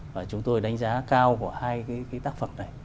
và chúng tôi đánh giá cao của hai cái tác phẩm này